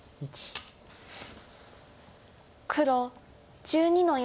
黒１２の四。